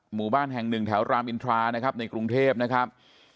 หมู่บ้านแห่งหนึ่งแถวรามอินทรานะครับในกรุงเทพนะครับ